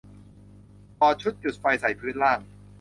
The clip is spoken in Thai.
ก่อชุดจุดไฟใส่พื้นล่าง